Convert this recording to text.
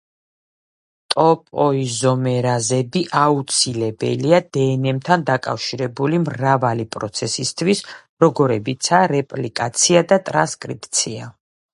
ტოპოიზომერაზები აუცილებელია დნმ-თან დაკავშირებული მრავალი პროცესისთვის, როგორებიცაა რეპლიკაცია და ტრანსკრიფცია.